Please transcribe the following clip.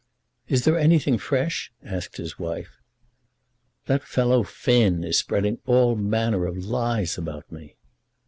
"Is there anything fresh?" asked his wife. "That fellow Finn is spreading all manner of lies about me."